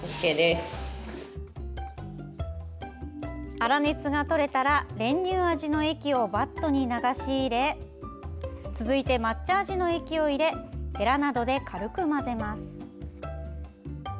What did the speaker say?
粗熱がとれたら練乳味の液をバットに流し入れ続いて抹茶味の液を入れへらなどで軽く混ぜます。